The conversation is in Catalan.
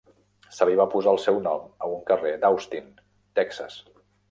Se li va posar el seu nom a un carrer d'Austin, Texas.